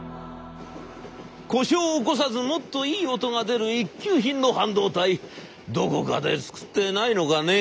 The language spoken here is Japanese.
「故障を起こさずもっといい音が出る一級品の半導体どこかで作ってないのかね」。